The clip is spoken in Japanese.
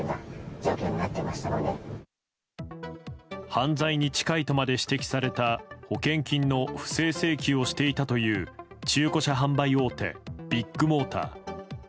犯罪に近いとまで指摘された保険金の不正請求をしていたという中古車販売大手ビッグモーター。